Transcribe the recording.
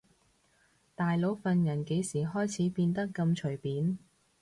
大佬份人幾時開始變得咁隨便